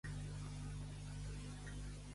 Havia recuperat el fet de servir i cortejar a la gent?